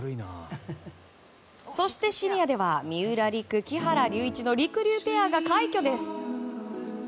そしてシニアでは三浦璃来、木原龍一のりくりゅうペアが快挙です！